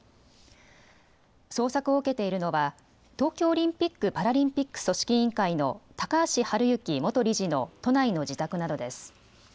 捜索を受けているのは東京オリンピック・パラリンピック組織委員会の高橋治之元理事の都内の自宅などです。